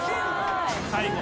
最後。